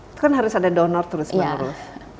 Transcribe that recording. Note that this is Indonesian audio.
itu kan harus ada donor terus menerus